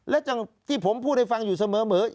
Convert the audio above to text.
และที่ผมพูดให้ฟังอยู่เสมอ